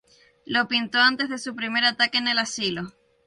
Lo pintó antes de su primer ataque en el asilo.